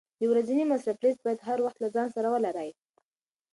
د ورځني مصرف لیست باید هر وخت له ځان سره ولرې.